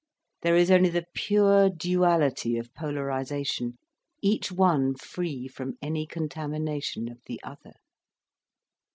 There is only the pure duality of polarisation, each one free from any contamination of the other.